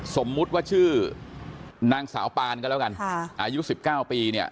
สมมุติว่าชื่อนางสาวปานก็แล้วกันอายุ๑๙ปีเนี่ย